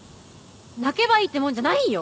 泣けばいいってもんじゃないんよ！